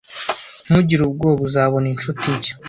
Ntugire ubwoba. Uzabona inshuti nshya.